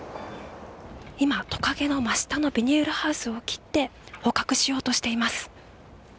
今、トカゲの真下のビニールハウスを切って捕獲しようとしています。